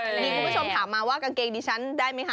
มีคุณผู้ชมถามมาว่ากางเกงดิฉันได้ไหมคะ